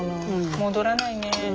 戻らないね。